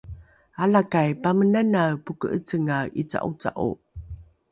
alakai pamenanae poke’ecengae ’ica’oca’o